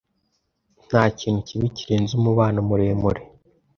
Ntakintu kibi kirenze umubano muremure.